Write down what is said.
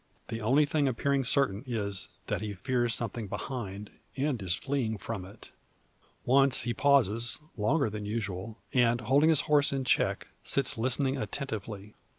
The only thing appearing certain is, that he fears something behind, and is fleeing from it. Once he pauses, longer than usual; and, holding his horse in check, sits listening attentively.